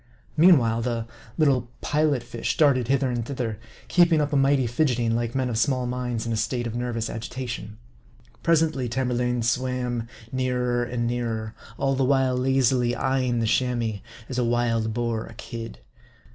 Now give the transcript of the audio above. Meanwhile, the little Pilot fish darted hither and thither ; keeping up a mighty fidget ing, like men of small minds in a state of nervous agitation. Presently, Tamerlane swam nearer and nearer, all the while lazily eyeing the Chamois, as a wild boar a kid.